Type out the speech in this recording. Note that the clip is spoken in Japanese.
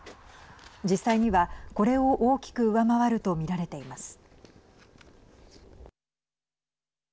実際にはこれを大きく上回ると見られています。